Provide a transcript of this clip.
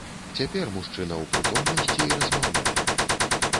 Цяпер мужчына ў прытомнасці і размаўляе.